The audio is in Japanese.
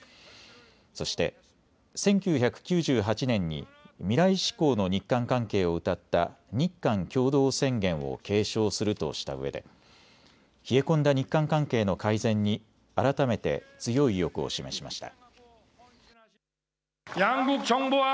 そして、１９９８年に未来志向の日韓関係をうたった日韓共同宣言を継承するとしたうえで冷え込んだ日韓関係の改善に改めて強い意欲を示しました。